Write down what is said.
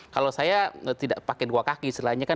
kalau saya tidak pakai dua kaki